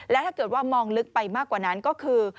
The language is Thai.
และถ้าเกิดว่ามองลึกไปมากกว่านั้นก็คือ